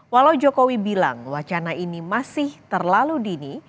walau jokowi bilang wacana ini masih terlalu dini